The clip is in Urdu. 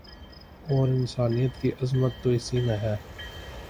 اور انسانیت کی عظمت تو اسی میں ہے